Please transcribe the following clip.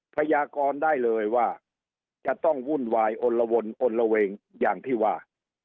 พยากรได้เลยว่าจะต้องวุ่นวายอลละวนอนละเวงอย่างที่ว่า